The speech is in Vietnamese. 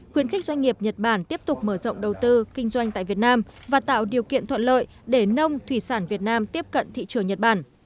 khuyến khích doanh nghiệp nhật bản tiếp tục mở rộng đầu tư kinh doanh tại việt nam và tạo điều kiện thuận lợi để nông thủy sản việt nam tiếp cận thị trường nhật bản